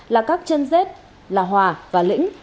là các chân dết là hòa và lĩnh